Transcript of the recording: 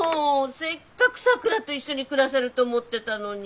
せっかくさくらと一緒に暮らせると思ってたのに。